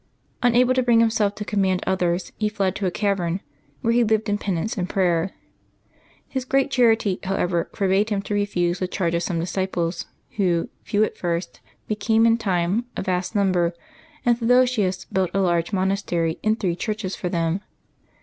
Unable to bring himself to command others, he fled to a cavern, where he lived in penance and prayer. His great charity, however, forbade him to refuse the charge of some disciples, who, few at first, became in time a vast number, and Theodosius built a large monastery and three churches for them.